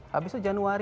habis itu januari